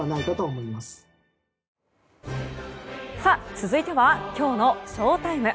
続いてはきょうのＳＨＯＴＩＭＥ。